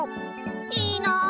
いいな！